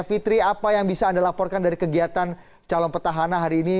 fitri apa yang bisa anda laporkan dari kegiatan calon petahana hari ini